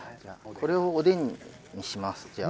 これをおでんにしますじゃあ。